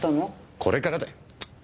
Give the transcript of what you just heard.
これからだよ！